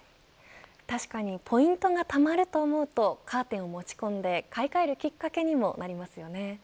確かにポイントがたまると思うとカーテンを持ち込んで買い替えるきっかけにもなりますよね。